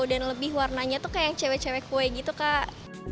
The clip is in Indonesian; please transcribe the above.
dan lebih warnanya tuh kayak yang cewek cewek kue gitu kak